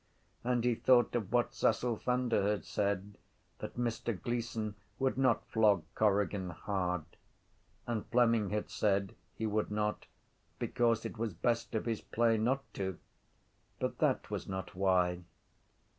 And he thought of what Cecil Thunder had said; that Mr Gleeson would not flog Corrigan hard. And Fleming had said he would not because it was best of his play not to. But that was not why.